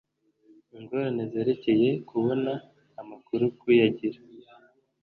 ingorane zerekeye kubona amakuru kuyagira